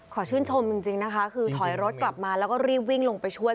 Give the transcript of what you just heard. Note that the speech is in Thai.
ขอชื่นชมจริงนะคะคือถอยรถกลับมาแล้วก็รีบวิ่งลงไปช่วย